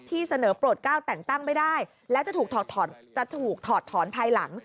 ที่เสนอโปรดก้าวแต่งตั้งไม่ได้และจะถูกจะถูกถอดถอนภายหลัง